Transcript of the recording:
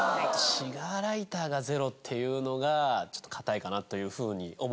シガーライターがゼロっていうのがかたいかなというふうに思いまして。